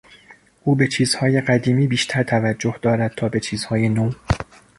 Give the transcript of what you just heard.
او به چیزهای قدیمی بیشتر توجه دارد تا به چیزهای نو.